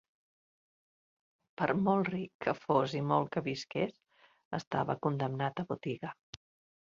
Per molt ric que fos i molt que visqués, estava condemnat a botiga.